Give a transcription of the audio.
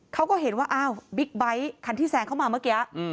เขาก็เห็นว่าอ้าวบิ๊กไบท์คันที่แซงเข้ามาเมื่อกี้